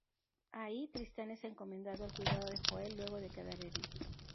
Ahí, Tristán es encomendado al cuidado de Hoel luego de quedar herido.